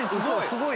すごい！